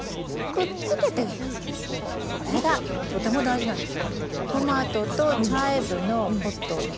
これがとても大事なんです。